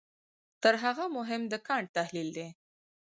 تر هغه مهم د کانټ تحلیل دی.